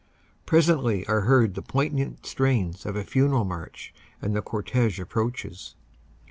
Presently are heard the poignant strains of a funeral march and the cortege approaches.